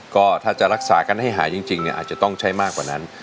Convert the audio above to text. ก็ถ้าจะรักษากันให้หายจริงอาจจะต้องใช้มากกว่านั้น